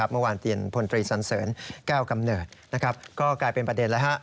เมื่อวานเตียนพลตรีสันเสริญแก้วกำเนิดก็กลายเป็นประเด็นแล้ว